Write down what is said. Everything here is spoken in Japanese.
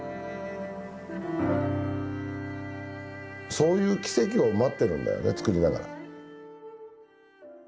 そういう奇跡を待ってるんだよね作りながら。